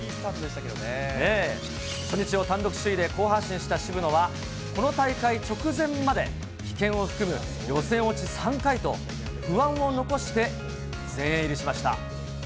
初日を単独首位で好発進した渋野は、この大会直前まで、棄権を含む予選落ち３回と、不安を残して全英入りしました。